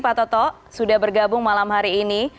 pak toto sudah bergabung malam hari ini